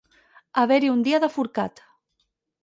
Haver-hi un dia de forcat.